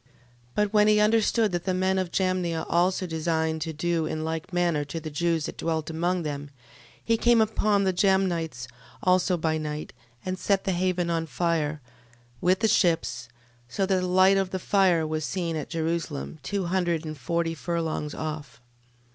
12:8. But when he understood that the men of Jamnia also designed to do in like manner to the Jews that dwelt among them, 12:9. He came upon the Jamnites also by night, and set the haven on fire, with the ships, so that the light of the fire was seen at Jerusalem, two hundred and forty furlongs off.